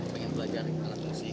pengen belajar alat musik